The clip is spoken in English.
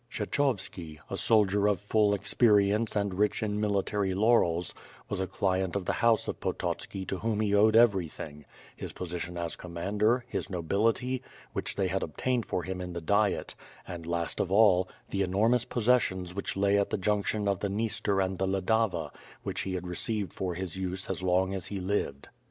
KHhechovski — a soldier of full experience and rich in mili tary laurels, was a client of the house of Pototski to whom he owed everything; his position as commander, his nobility, which they had obtained for him in the Diet; and last of all, the enormous possessions which lay at the junction of the Dniester and the Ladava, which he had received for his use as long as he lived.